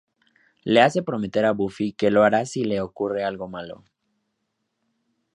Le hace prometer a Buffy que lo hará si le ocurre algo malo.